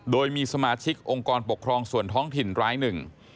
โดยมีสมาชิกองค์กรปกครองส่วนท้องถิ่นรายหนึ่ง